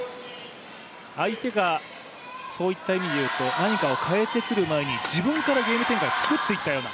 相手がそういった意味でいうと何かを変えてくる前に自分からゲーム展開を作っていったような。